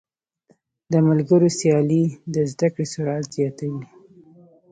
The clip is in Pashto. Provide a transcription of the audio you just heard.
د ملګرو سیالۍ د زده کړې سرعت زیاتوي.